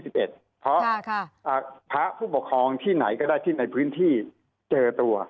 เพราะพระผู้ปกครองที่ไหนก็ได้ที่ในพื้นที่เจอตัว